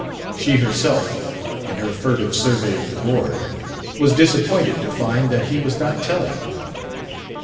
She herself, in her furtive survey of the board, was disappointed to find that he was not telling.